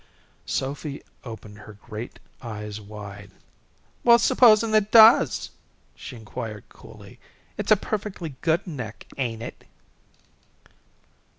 Sophy opened her great eyes wide. "Well, supposin' it does?" she inquired, coolly. "It's a perfectly good neck, ain't it?"